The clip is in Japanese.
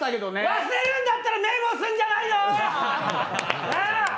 忘れるんだったらメモするんじゃないの！？